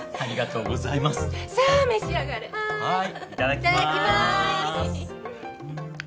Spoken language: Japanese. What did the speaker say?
いただきまーす！